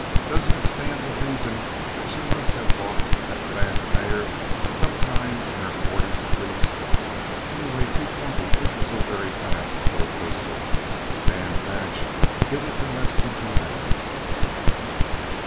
Doesn't it stand to reason that she must have bought that fast mare some time in her forties, at least? Anyway, 2:20 isn't so very fast for a pacer. Dan Patch did it in less than two minutes."